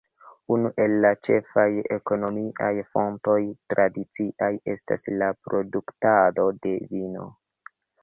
Unu el la ĉefaj ekonomiaj fontoj tradiciaj estas la produktado de vino.